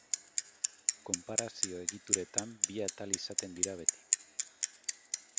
Konparazio-egituretan bi atal izaten dira beti.